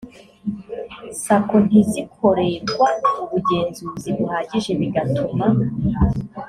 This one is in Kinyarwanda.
sacco ntizikorerwa ubugenzuzi buhagije bigatuma